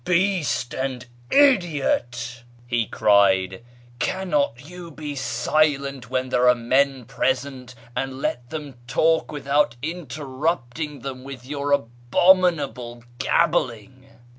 " Beast and idiot !" he cried, " cannot you be silent when there are men present, and let them talk without interrupting :hem with your abominable gabbling